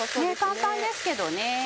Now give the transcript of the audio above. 簡単ですけどね。